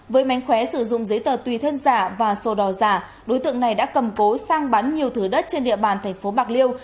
với mánh khóe sử dụng giấy tờ tùy thân giả và sổ đỏ giả đối tượng này đã cầm cố sang bán nhiều thứ đất trên địa bàn thành phố bạc liêu